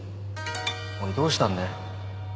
おいどうしたんだよ？